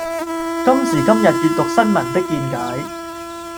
今時今日閱讀新聞的見解